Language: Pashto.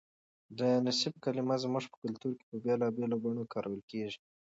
د نصیب کلمه زموږ په کلتور کې په بېلابېلو بڼو کارول کېږي.